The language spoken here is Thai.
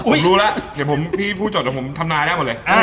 ผมรู้แล้วพี่ผู้จดผมทำนายได้หมดเลย